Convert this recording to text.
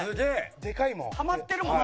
はまってるもんな。